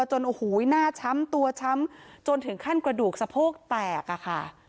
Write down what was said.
จนหน้าช้ำตัวช้ำจนถึงขั้นกระดูกสะโพกแตก